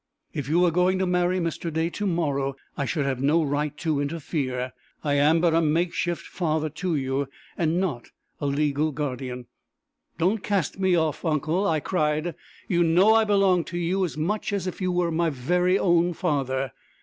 If you were going to marry Mr. Day to morrow, I should have no right to interfere. I am but a make shift father to you, not a legal guardian." "Don't cast me off, uncle!" I cried. "You know I belong to you as much as if you were my very own father!